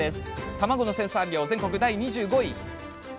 卵の生産量、全国第２５位。